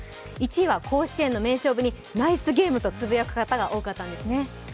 １位は甲子園の名勝負にナイスゲームとつぶやく方が多かったんですね。